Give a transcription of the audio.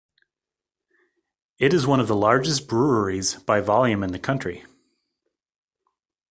It is one of the largest breweries by volume in the country.